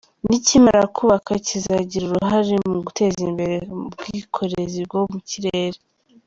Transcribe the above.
Nikimara kubakwa, kizagira uruhare mu guteza imbere ubwikorezi bwo mu kirere.